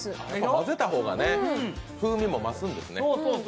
混ぜた方が風味も増すんですね。